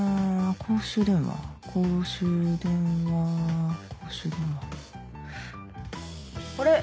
公衆電話公衆電話あれ？